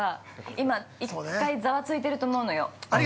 今、１回ざわついてると思うのよ。